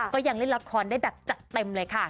ก็ยังเล่นละครได้แบบจัดเต็มเลยค่ะ